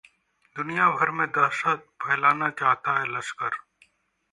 दुनिया भर में दहशत फैलाना चाहता है लश्कर